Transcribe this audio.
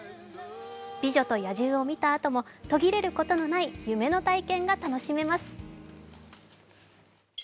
「美女と野獣」を見たあとも途切れることのない夢の体験が楽しめます。